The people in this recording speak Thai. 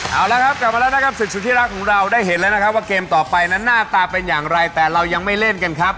เอาละครับกลับมาแล้วนะครับศึกสุดที่รักของเราได้เห็นแล้วนะครับว่าเกมต่อไปนั้นหน้าตาเป็นอย่างไรแต่เรายังไม่เล่นกันครับ